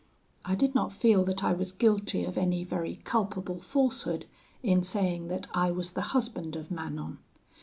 I did not feel that I was guilty of any very culpable falsehood in saying that I was the husband of Manon.